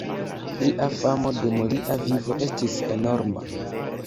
Lia famo dum lia vivo estis enorma.